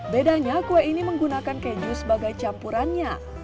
bedanya kue ini menggunakan keju sebagai campurannya